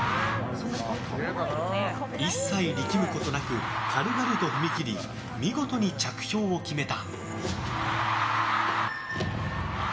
一切、力むことなく軽々と踏み切り見事に着水を決めた。